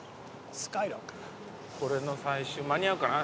これの最終間に合うかな？